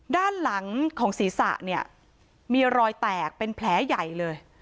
ด้านหลังของศีรษะเนี่ยมีรอยแตกเป็นแผลใหญ่เลย